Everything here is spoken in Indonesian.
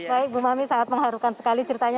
baik bu mami sangat mengharukan sekali ceritanya